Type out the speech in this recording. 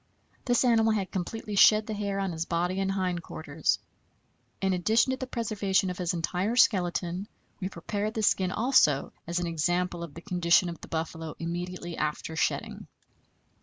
This animal had completely shed the hair on his body and hind quarters. In addition to the preservation of his entire skeleton, we prepared the skin also, as an example of the condition of the buffalo immediately after shedding.